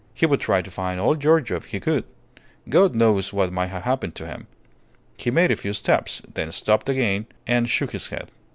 He would try to find old Giorgio if he could. God knows what might have happened to him! He made a few steps, then stopped again and shook his head.